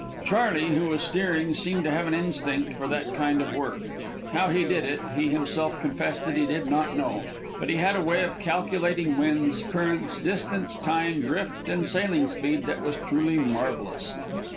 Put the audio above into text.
Charley, who was steering, seemed to have an instinct for that kind of work. How he did it, he himself confessed that he did not know; but he had a way of calculating winds, currents, distance, time, drift, and sailing speed that was truly marvellous.